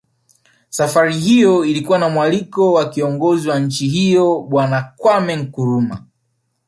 Safari hiyo ilikuwa ni mwaliko wa kiongozi wa nchi hiyo Bwana Kwameh Nkrumah